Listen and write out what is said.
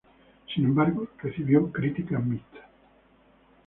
Sin embargo, recibió críticas mixtas.